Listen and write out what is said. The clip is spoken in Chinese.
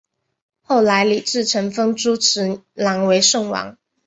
后来李自成封朱慈烺为宋王。